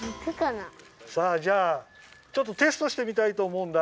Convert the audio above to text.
さあじゃあちょっとテストしてみたいとおもうんだ。